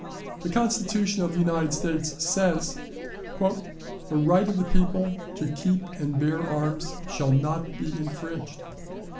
The Constitution of the United States says: "The right of the people to keep and bear arms shall not be infringed."